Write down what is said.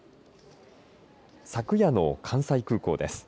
昨夜の関西空港です。